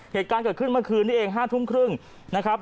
เหตุการณ์เกิดขึ้นเมื่อคืนนี้เอง๕ทุ่มครึ่งนะครับ